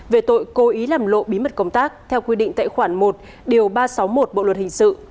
về tội cố ý làm lộ bí mật công tác theo quy định tệ khoản một điều ba trăm sáu mươi một bộ luật hình sự